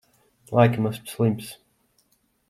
Laikam esmu slims.